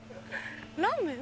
ラーメン？